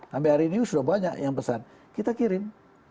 sampai hari ini sudah banyak yang pesan kita kirim